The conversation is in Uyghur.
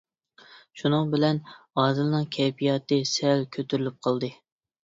شۇنىڭ بىلەن ئادىلنىڭ كەيپىياتى سەل كۆتۈرۈلۈپ قالدى.